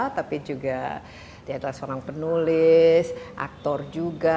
tapi juga dia adalah seorang penulis aktor juga